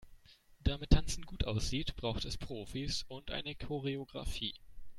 Damit Tanzen gut aussieht, braucht es Profis und eine Choreografie.